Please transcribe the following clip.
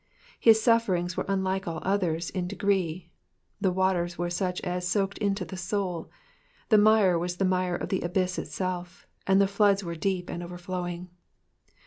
His sufferings were unlike all others in degree, the waters were such as soaked intX) the soul ; the mire was the mire of the abyss itself, and the floods were deep and overflowing.